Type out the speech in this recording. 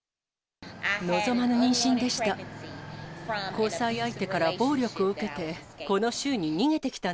望まぬ妊娠でした。